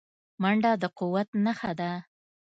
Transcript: منډه د قدرت نښه ده